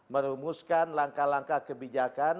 merumuskan langkah langkah kebijakan